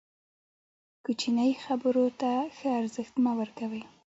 کوچنۍ خبرو ته ارزښت مه ورکوئ!